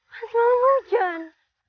nanti malem hujan